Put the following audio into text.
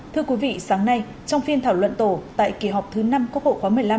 thưa quý vị sáng nay trong phiên thảo luận tổ tại kỳ họp thứ năm quốc hội khóa một mươi năm